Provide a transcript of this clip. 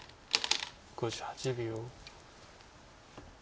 ５８秒。